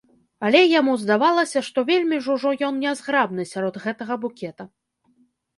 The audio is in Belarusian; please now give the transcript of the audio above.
Але яму здавалася, што вельмі ж ужо ён нязграбны сярод гэтага букета.